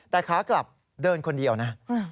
แต่ขากลับเดินคนเดียวนะ